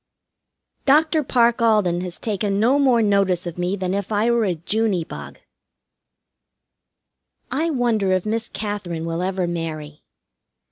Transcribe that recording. Dr. Parke Alden has taken no more notice of me than if I were a Juney bug. I wonder if Miss Katherine will ever marry.